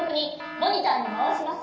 モニターにまわします。